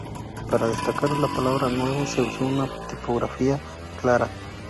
Para destacar la palabra "Nuevo" se usó una tipografía clara.